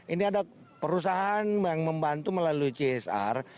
ini ada perusahaan yang membantu melalui csr